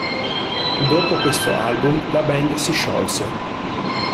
Dopo questo album la band si sciolse.